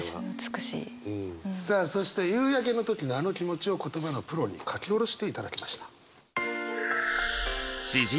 さあそして夕焼けの時のあの気持ちを言葉のプロに書き下ろしていただきました。